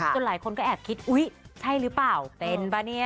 หลายคนก็แอบคิดอุ๊ยใช่หรือเปล่าเป็นป่ะเนี่ย